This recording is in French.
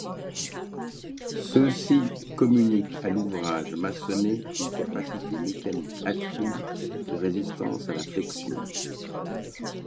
Ceux-ci communiquent à l'ouvrage maçonné une capacité mécanique accrue de résistance à la flexion.